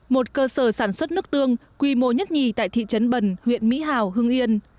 một cơ sở sản xuất nước tương quy mô nhất nhì tại thị trấn bần huyện mỹ hào hưng yên